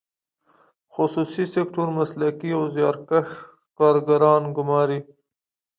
خصوصي سکتور مسلکي او زیارکښ کارګران ګماري.